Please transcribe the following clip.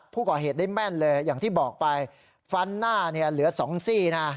ผู้ก่อเหตุได้แม่นเลยอย่างที่บอกไปฟันหน้าเนี่ยเหลือสองซี่นะ